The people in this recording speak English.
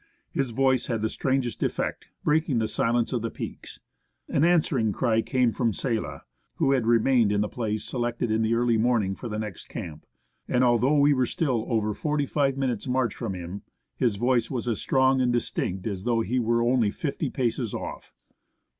His voice had the strangest effect, breaking the silence of the peaks. An answering cry came from Sella, who had remained in the place selected in the early morning for the next camp ; and although we were still over forty five minutes' march from him, his voice was as strong and distinct as though he were only fifty paces off.